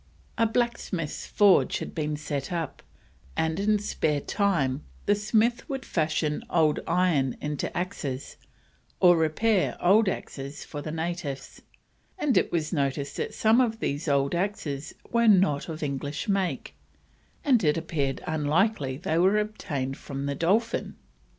A blacksmith's forge had been set up, and in spare time the smith would fashion old iron into axes or repair old axes for the natives; and it was noticed that some of these old axes were not of English make, and it appeared unlikely they were obtained from the Dolphin.